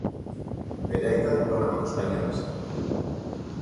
Bere aita diplomatiko espainiarra zen.